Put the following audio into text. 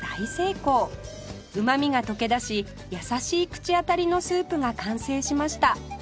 うまみが溶け出し優しい口当たりのスープが完成しました